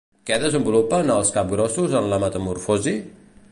Què desenvolupen els capgrossos en la metamorfosi?